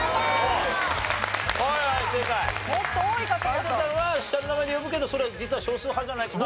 有田さんは下の名前で呼ぶけどそれは実は少数派じゃないか。